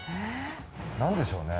何でしょうね。